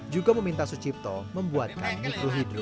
juga meminta sucipto membuatkan mikrohidro